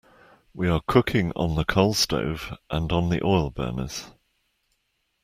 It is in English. We are cooking on the coal stove and on the oil burners.